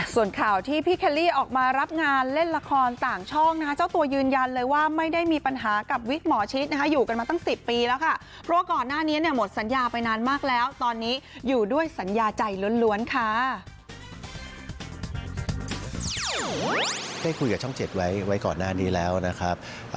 ส่วนข่าวที่พี่เคลลี่ออกมารับงานเล่นละครต่างช่องนะคะเจ้าตัวยืนยันเลยว่าไม่ได้มีปัญหากับวิกหมอชิดนะคะอยู่กันมาตั้ง๑๐ปีแล้วค่ะเพราะว่าก่อนหน้านี้เนี่ยหมดสัญญาไปนานมากแล้วตอนนี้อยู่ด้วยสัญญาใจล้วนค่ะ